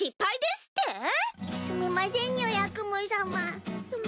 すみませんつぎ。